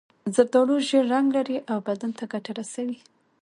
زردالو ژېړ رنګ لري او بدن ته ګټه رسوي.